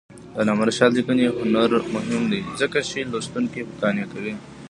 د علامه رشاد لیکنی هنر مهم دی ځکه چې لوستونکي قانع کوي.